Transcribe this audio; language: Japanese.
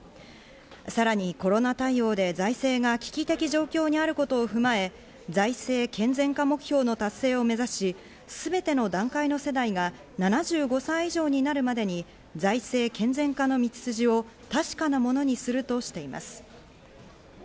さらにコロナ対応で財政が危機的状況にあることを踏まえ、財政健全化目標の達成を目指し、全ての団塊の世代が７５歳以上になるまでに財政健全化の道筋を確かなものにするとしています。